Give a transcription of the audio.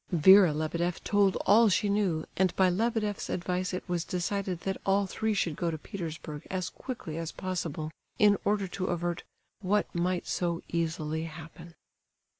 Vera Lebedeff told all she knew, and by Lebedeff's advice it was decided that all three should go to Petersburg as quickly as possible, in order to avert "what might so easily happen."